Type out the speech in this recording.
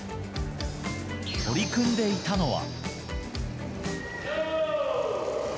取り組んでいたのは。